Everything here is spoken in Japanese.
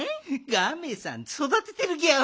ガメさんそだててるギャオ。